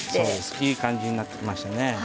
いい感じになってきましたね。